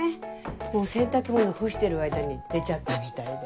洗濯物干してる間に出ちゃったみたいで。